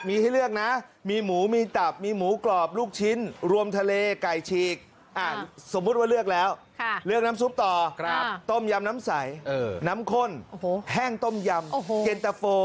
เมนูนี้เขาก็นิยมสั่งกัน